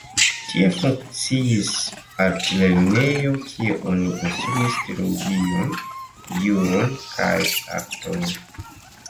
Tie funkciis altlernejo, kie oni instruis teologion, juron kaj artojn.